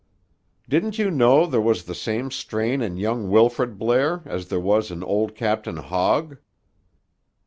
"Didn't you know there was the same strain in young Wilfrid Blair, as there was in old Captain Hogg?"